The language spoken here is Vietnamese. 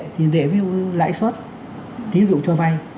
tiền tệ với lãi suất tín dụng cho vay